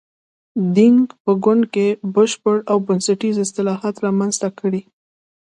دینګ په ګوند کې بشپړ او بنسټیز اصلاحات رامنځته کړي.